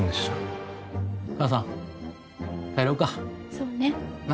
そうね。